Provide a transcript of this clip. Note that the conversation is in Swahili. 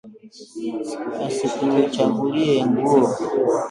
Asikuchagulie nguo